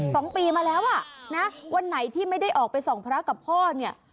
สองปีมาแล้วอ่ะนะวันไหนที่ไม่ได้ออกไปส่องพระกับพ่อเนี่ย